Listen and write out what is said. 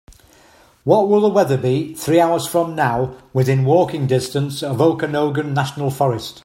What will the weather be three hours from now within walking distance of Okanogan National Forest?